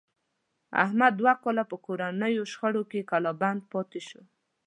احمد دوه کاله په کورنیو شخړو کې کلا بند پاتې شو.